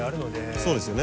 そうですよね。